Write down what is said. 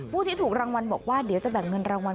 ผู้ที่ถูกรางวัลบอกว่าเดี๋ยวจะแบ่งเงินรางวัล